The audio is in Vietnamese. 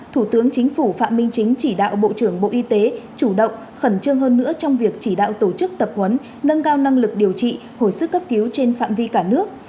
thủ tướng chính phủ phạm minh chính chỉ đạo bộ trưởng bộ y tế chủ động khẩn trương hơn nữa trong việc chỉ đạo tổ chức tập huấn nâng cao năng lực điều trị hồi sức cấp cứu trên phạm vi cả nước